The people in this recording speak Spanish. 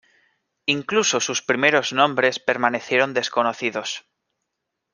Incluso sus primeros nombres permanecieron desconocidos.